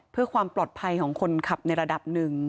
เพื่อความปลอดภัยของคนขับในระดับหนึ่ง